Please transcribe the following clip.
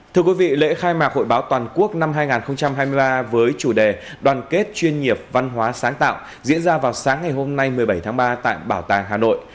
thưa quý vị lễ khai mạc hội báo toàn quốc năm hai nghìn hai mươi ba với chủ đề đoàn kết chuyên nghiệp văn hóa sáng tạo diễn ra vào sáng ngày hôm nay một mươi bảy tháng ba tại bảo tàng hà nội